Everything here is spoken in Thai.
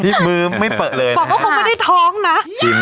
ที่มือไม่เปิ้ลเลยนะฮะก็คงไม่ได้ท้องนะ